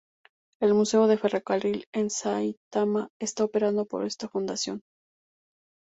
El Museo del Ferrocarril en Saitama está operado por esta fundación.